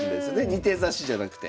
２手指しじゃなくて。